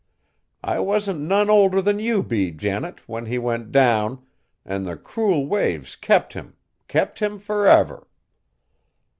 I wasn't none older than you be, Janet, when he went down, an' the cruel waves kept him, kept him forever!"